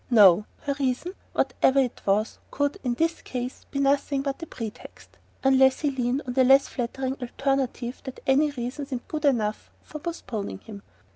No, her "reason", whatever it was, could, in this case, be nothing but a pretext; unless he leaned to the less flattering alternative that any reason seemed good enough for postponing him!